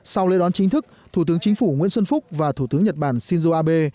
sau lễ đón chính thức thủ tướng chính phủ nguyễn xuân phúc và thủ tướng nhật bản shinzo abe